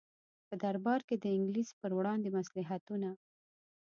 په دربار کې د انګلیس پر وړاندې مصلحتونه.